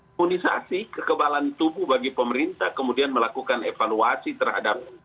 imunisasi kekebalan tubuh bagi pemerintah kemudian melakukan evaluasi terhadap